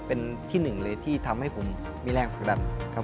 เป็นที่หนึ่งเลยที่ทำให้ผมมีแรงผลักดันครับ